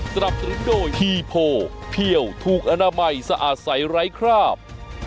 สนับสนุนโดยทีโพเพี่ยวถูกอนามัยสะอาดใสไร้คราบ